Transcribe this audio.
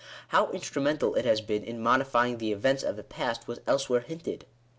How instrumental it has been in modifying the events of the past was elsewhere hinted (p.